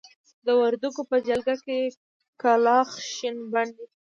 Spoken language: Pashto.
د وردکو په جلګه کې کلاخ شين بڼ دی.